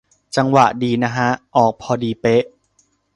จังหวะดีนะฮะ ออกพอดีเป๊ะ